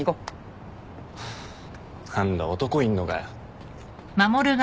ハァ何だ男いんのかよ。